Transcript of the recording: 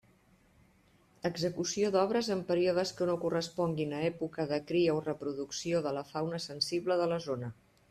Execució d'obres en períodes que no corresponguin a època de cria o reproducció de la fauna sensible de la zona.